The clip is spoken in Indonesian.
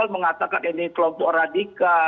mengatakan ini kelompok radika